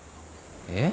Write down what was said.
えっ。